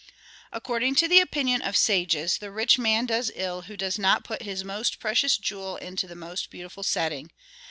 "According to the opinion of sages the rich man does ill who does not put his most precious jewel into the most beautiful setting.